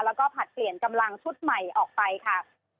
แล้วก็ผลัดเปลี่ยนกำลังชุดใหม่ออกไปค่ะ